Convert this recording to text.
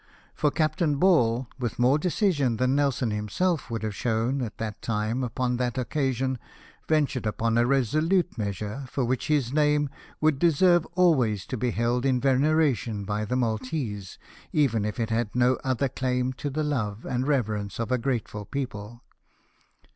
For Captain Ball, with more NELSON SAILS FOR MALTA. 205 decision than Nelson himself would have shown at that time and upon that occasion, ventured upon a resolute measure, for which his name would deserve always to be held in veneration by the Maltese, even if it had no other claims to the love and reverence of a grateful people.